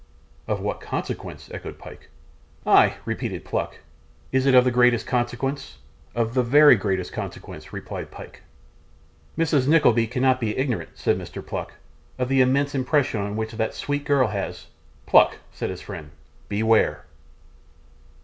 'Of what consequence?' echoed Pyke. 'Ay,' repeated Pluck; 'is it of the greatest consequence?' 'Of the very greatest consequence,' replied Pyke. 'Mrs. Nickleby cannot be ignorant,' said Mr. Pluck, 'of the immense impression which that sweet girl has ' 'Pluck!' said his friend, 'beware!